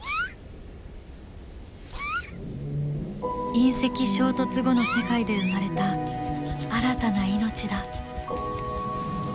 隕石衝突後の世界で生まれた新たな命だ。